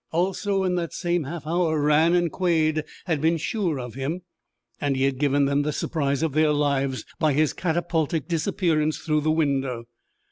Also, in that same half hour Rann and Quade had been sure of him, and he had given them the surprise of their lives by his catapultic disappearance through the window.